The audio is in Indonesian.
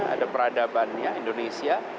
ada peradabannya indonesia